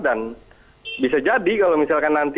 dan bisa jadi kalau misalkan nanti